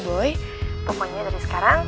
boy pokoknya dari sekarang